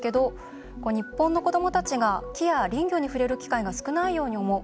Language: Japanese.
日本の子どもたちが木や林業に触れる機会が少ないように思う。